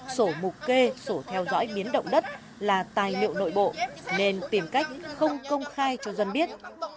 sổ mục kê sổ theo dõi biến động đất là tài liệu nội bộ nên tìm cách không công khai cho dân biết